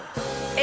え？